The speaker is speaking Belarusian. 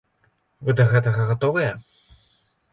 Вы да гэтага гатовыя?